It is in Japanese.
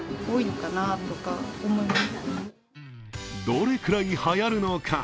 どれくらいはやるのか？